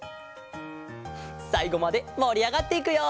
さいごまでもりあがっていくよ！